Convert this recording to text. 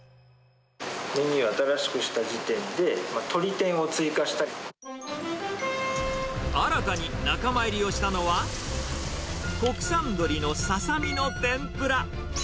メニューを新しくした時点で、新たに仲間入りをしたのは、国産鶏のササミの天ぷら。